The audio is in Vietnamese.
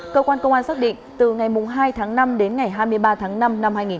cơ quan công an xác định từ ngày hai tháng năm đến ngày hai mươi ba tháng năm năm hai nghìn hai mươi ba